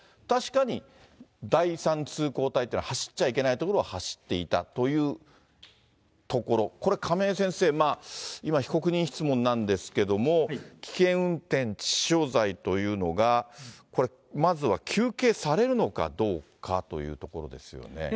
確かに第３通行帯というのは走っちゃいけない所を走っていたというところ、これ、亀井先生、今、被告人質問なんですけれども、危険運転致死傷罪というのが、まずは求刑されるのかどうかというところですよね。